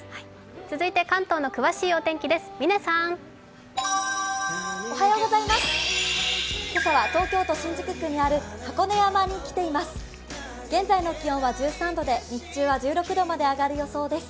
続いて関東の詳しいお天気です。